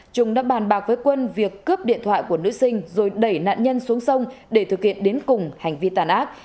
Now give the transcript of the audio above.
chúng đã bàn bạc với quân việc cướp điện thoại của nữ sinh rồi đẩy nạn nhân xuống sông để thực hiện đến cùng hành vi tàn ác